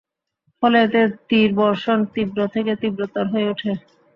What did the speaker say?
ফলে এতে তীর বর্ষণ তীব্র থেকে তীব্রতর হয়ে ওঠে।